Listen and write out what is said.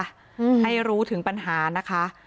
อืมให้รู้ถึงปัญหานะคะ